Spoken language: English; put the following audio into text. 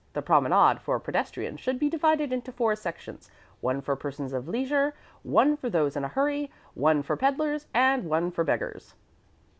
The promenade for pedestrians should be divided into four sections one for persons of leisure, one for those in a hurry, one for peddlers, and one for beggars."